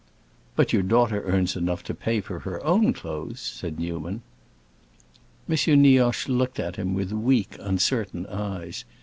"But your daughter earns enough to pay for her own clothes," said Newman. M. Nioche looked at him with weak, uncertain eyes.